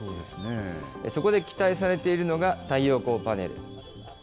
そこで期待されているのが、太陽光パネル。